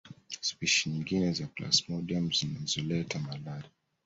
Spishi nyingine za plasmodium zinazoleta malaria